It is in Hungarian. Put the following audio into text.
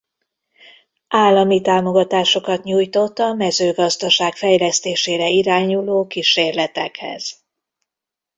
Állami támogatásokat nyújtott a mezőgazdaság fejlesztésére irányuló kísérletekhez.